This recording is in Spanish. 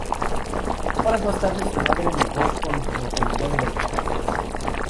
Horas más tarde su madre negó con rotundidad el hecho.